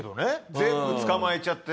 全部捕まえちゃって。